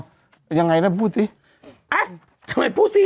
หยังไงล่ะพูดสิ